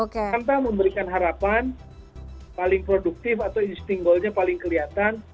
tentang memberikan harapan paling produktif atau instingolnya paling kelihatan